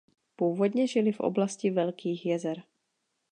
Původně žili v oblasti Velkých jezer.